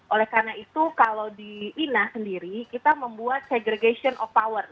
oleh karena itu kalau di ina sendiri kita membuat segregation of power